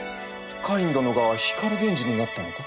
カイン殿が光源氏になったのか？